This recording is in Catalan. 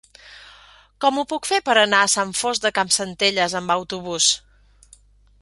Com ho puc fer per anar a Sant Fost de Campsentelles amb autobús?